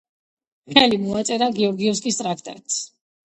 ხელი მოაწერა გეორგიევსკის ტრაქტატს.